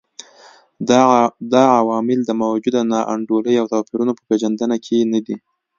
دا عوامل د موجوده نا انډولۍ او توپیرونو په پېژندنه کې نه دي.